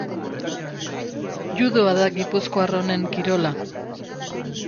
Judoa da gipuzkoar honen kirola.